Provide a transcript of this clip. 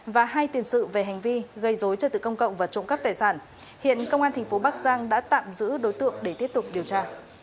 và hai tiền sự về hành vi gây dối trật tự công cộng và trộm cắp tài sản hiện công an tp bắc giang đã tạm giữ đối tượng để tiếp tục điều tra